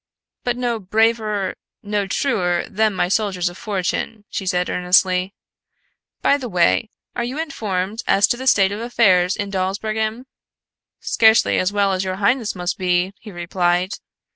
"But no braver, no truer than my soldiers of fortune," she said earnestly. "By the way, are you informed as to the state of affairs in Dawsbergen?" "Scarcely as well as your highness must be," he replied.